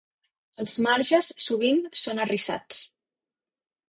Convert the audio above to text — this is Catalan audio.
Els marges sovint són arrissats.